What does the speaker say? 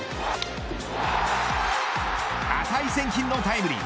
値千金のタイムリー。